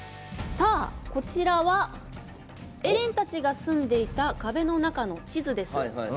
こちらはエレンたちが住んでいた壁の中の地図です。